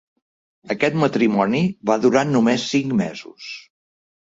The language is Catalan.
Aquest matrimoni va durar només cinc mesos.